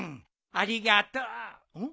ありがとうん？